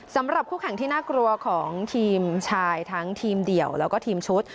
สำหรับคู่แข่งที่น่ากลัวของทีมชายทั้งทีมเดี่ยวแล้วก็ทีมชุด